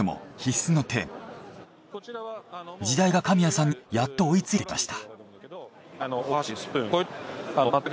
時代が神谷さんにやっと追いついてきました。